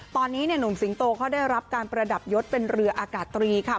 ตอนนี้หนุ่มสิงโตเขาได้รับการประดับยศเป็นเรืออากาศตรีค่ะ